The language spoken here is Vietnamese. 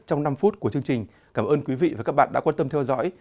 trong năm phút của chương trình cảm ơn quý vị và các bạn đã quan tâm theo dõi